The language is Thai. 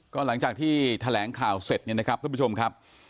ก็หลังจากที่แถลงข่าวเสร็จนะครับคุณผู้ชมครับ